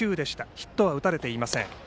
ヒットは打たれていません。